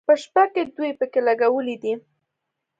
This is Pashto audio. په شپه کې ډیوې پکې لګولې دي.